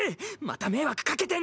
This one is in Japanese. また迷惑かけてんのに。